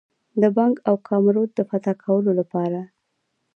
د بنګ او کامرود د فتح کولو لپاره.